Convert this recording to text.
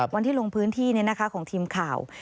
วันที่ลงพื้นที่เนี่ยนะคะของทีมข่าว